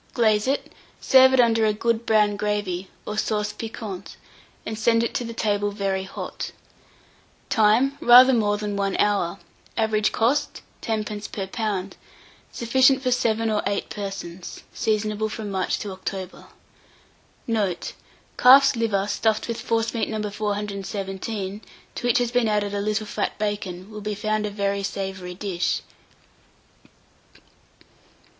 glaze it, serve under it a good brown gravy, or sauce piquante, and send it to table very hot. Time. Rather more than 1 hour. Average cost, 10d. per lb. Sufficient for 7 or 8 persons. Seasonable from March to October. Note. Calf's liver stuffed with forcemeat No. 417, to which has been added a little fat bacon, will be found a very savoury dish.